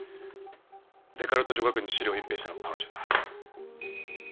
デカルト女学院の資料を隠蔽したのも彼女だ。